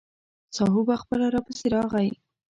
ساهو به خپله راپسې راغی.